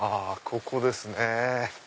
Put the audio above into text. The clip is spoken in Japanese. ここですね。